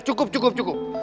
cukup cukup cukup